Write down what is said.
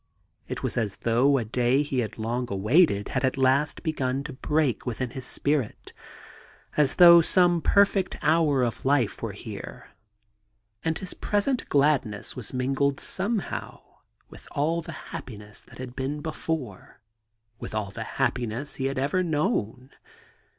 It was as though a day he had long awaited had at last begun to break within his spirit, as though some perfect hour of life were here. And his present gladness was mingled somehow with all the happi ness that had been before; with all the happiness he had ever known.